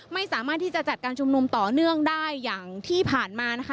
ไม่สามารถที่จะจัดการชุมนุมต่อเนื่องได้อย่างที่ผ่านมานะคะ